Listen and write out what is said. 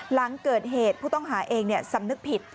หลังเกิดเหตุผู้ต้องหาเองสำนึกผิด